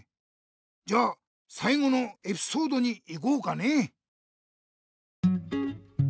じゃあさい後のエピソードにいこうかね。